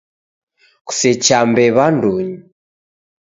Kusechambe w'andunyi!